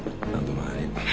はい。